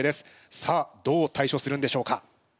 さあどう対処するんでしょうか？